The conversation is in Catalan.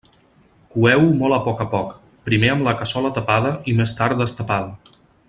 Coeu-ho molt a poc a poc, primer amb la cassola tapada i més tard destapada.